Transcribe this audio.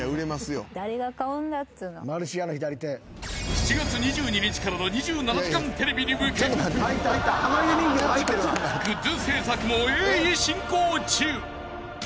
［７月２２日からの『２７時間テレビ』に向けグッズ制作も鋭意進行中］